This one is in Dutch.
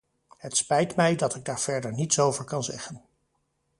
Het spijt mij dat ik daar verder niets over kan zeggen.